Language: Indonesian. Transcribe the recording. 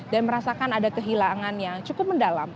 dan merasakan ada kehilangan yang cukup mendalam